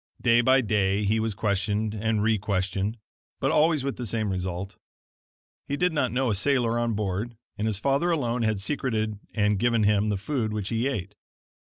Day by day he was questioned and requestioned, but always with the same result. He did not know a sailor on board, and his father alone had secreted and given him the food which he ate.